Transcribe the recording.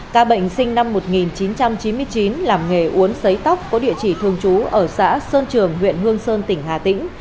ca bệnh sinh năm một nghìn chín trăm chín mươi chín làm nghề uốn xấy tóc có địa chỉ thường trú ở xã sơn trường huyện hương sơn tỉnh hà tĩnh